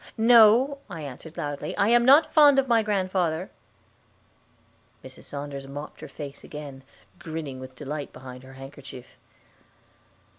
"No," I answered loudly, "I am not fond of my grandfather." Mrs. Saunders mopped her face again, grinning with delight behind her handkerchief.